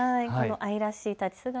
愛らしい立ち姿。